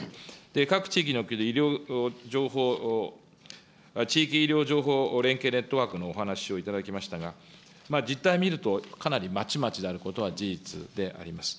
各地域における医療情報、地域医療情報連携ネットワークのお話をいただきましたが、実態見ると、かなりまちまちであることは事実であります。